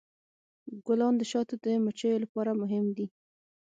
ګلان د شاتو د مچیو لپاره مهم دي.